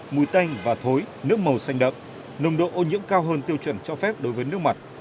mùi tanh và thối nước màu xanh đậm nồng độ ô nhiễm cao hơn tiêu chuẩn cho phép đối với nước mặt